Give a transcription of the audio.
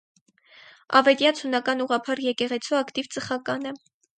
Ավետյաց հունական ուղղափառ եկեղեցու ակտիվ ծխական է։